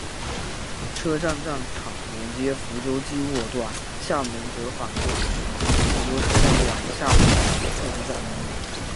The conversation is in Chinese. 车站站场连接福州机务段厦门折返段及福州车辆段厦门客技站。